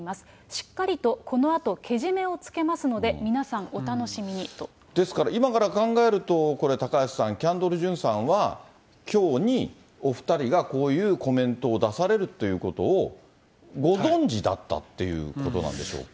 しっかりとこのあとけじめをつけますので、皆さん、ですから今から考えると、これ高橋さん、キャンドル・ジュンさんは、きょうにお２人がこういうコメントを出されるということを、ご存じだったということなんでしょうか。